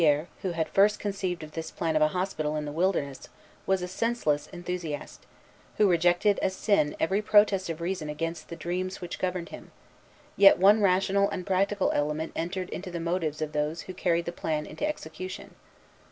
Dauversière, who had first conceived this plan of a hospital in the wilderness, was a senseless enthusiast, who rejected as a sin every protest of reason against the dreams which governed him; yet one rational and practical element entered into the motives of those who carried the plan into execution.